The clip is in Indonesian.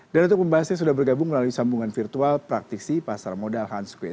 dan untuk pembahasannya sudah bergabung melalui sambungan virtual praktisi pasar modal hans kwees